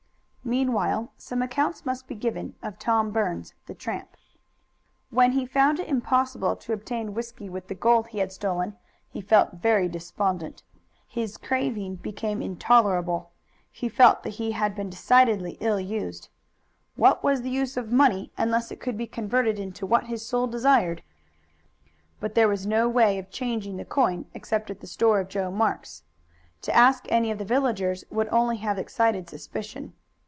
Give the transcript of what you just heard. Meanwhile some account must be given of Tom Burns, the tramp. When he found it impossible to obtain whisky with the gold he had stolen he felt very despondent. His craving became intolerable. He felt that he had been decidedly ill used. What was the use of money unless it could be converted into what his soul desired? But there was no way of changing the coin except at the store of Joe Marks. To ask any of the villagers would only have excited suspicion.